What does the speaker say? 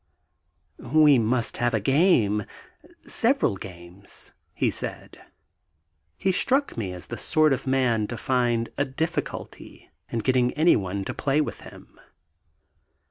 "We must have a game several games," he said. He struck me as the sort of man to find a difficulty in getting anyone to play with him.